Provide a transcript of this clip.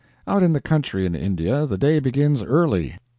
Out in the country in India, the day begins early.